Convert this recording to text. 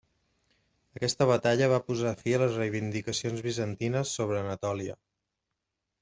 Aquesta batalla va posar fi a les reivindicacions bizantines sobre Anatòlia.